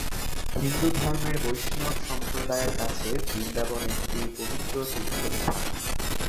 হিন্দুধর্মের বৈষ্ণব সম্প্রদায়ের কাছে বৃন্দাবন একটি পবিত্র তীর্থস্থান।